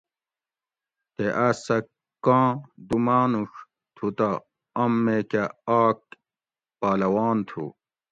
تے آس سہ کاں دو مانوڄ تھو تہ ام میکہ آک پہلوان تھو